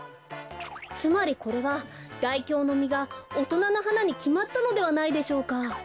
つまりこれは大凶のみがおとなの花にきまったのではないでしょうか？